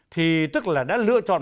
thì tức là đã lựa chọn